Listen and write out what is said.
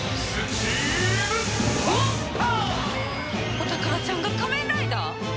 お宝ちゃんが仮面ライダー！？